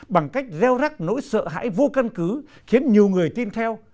bằng cách gieo rắc nỗi sợ hãi vô căn cứ khiến nhiều người tin theo